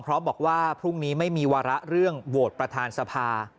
เพราะบอกว่าพรุ่งนี้ไม่มีวาระเรื่องโหวตประธานสภา